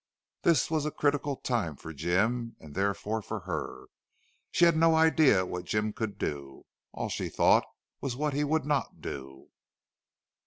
This was a critical time for Jim, and therefore for her. She had no idea what Jim could do; all she thought was what he would not do.